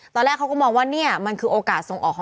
ตอนแรกเขาก็มองว่านี่มันคือโอกาสส่งออก